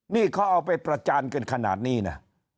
นี่เขาเอาไปประจานกันขนาดนี้นะ